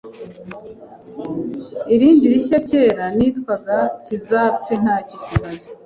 irindi rishya cyera nitwaga kizapfe ntacyo kimaze